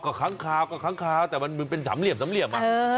ก็ข้างข่าวก็ข้างข่าวแต่มันเป็นสำเหลี่ยม